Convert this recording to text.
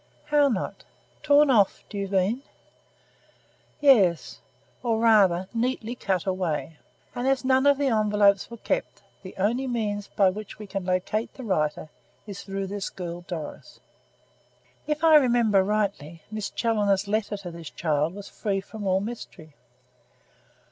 "How not? Torn off, do you mean?" "Yes, or rather, neatly cut away; and as none of the envelopes were kept, the only means by which we can locate the writer is through this girl Doris." "If I remember rightly Miss Challoner's letter to this child was free from all mystery."